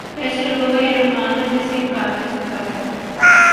تو ایسے لوگوں کا یرغمال بننے سے انکار کر سکتا ہے۔